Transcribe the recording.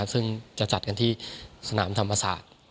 ซึ่งจะจัดกันที่สนามธรรมศาสตร์